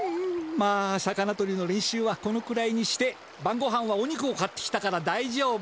まあ魚とりの練習はこのくらいにしてばんごはんはお肉を買ってきたからだいじょうぶ。